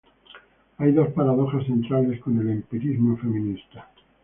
Hay dos paradojas centrales con el empirismo feminista.